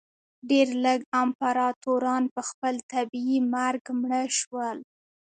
ډېر لږ امپراتوران په خپل طبیعي مرګ مړه شول.